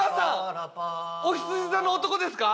おひつじ座の男ですか？